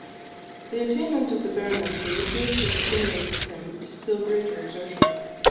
The attainment of the baronetcy appears to have stimulated him to still greater exertion.